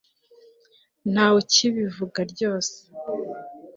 ntawe ukibivuga ryose